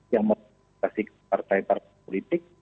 yang memprediksikan partai partai politik